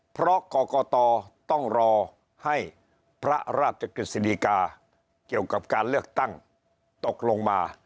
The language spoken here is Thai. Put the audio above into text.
เพราะกรกตต้องรอให้พระราชกฤษฎีกาเกี่ยวกับการเลือกตั้งตกลงมา